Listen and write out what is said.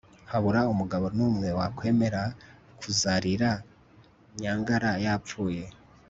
habura umugabo n'umwe wakwemera kuzarira nyangara yapfuye